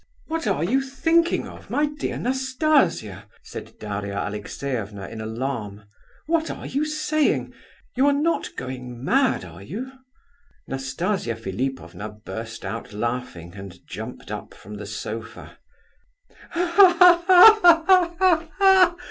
"What are you thinking of, my dear Nastasia?" said Daria Alexeyevna in alarm. "What are you saying?" "You are not going mad, are you?" Nastasia Philipovna burst out laughing and jumped up from the sofa.